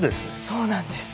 そうなんです。